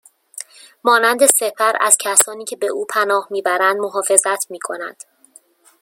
مانند سپر ازکسانی که به او پناه میبرند محافظت میکند